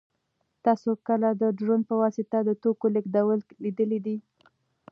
تاسو کله د ډرون په واسطه د توکو لېږدول لیدلي دي؟